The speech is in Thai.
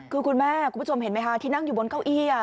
คือคุณแม่คุณผู้ชมเห็นไหมคะที่นั่งอยู่บนเก้าอี้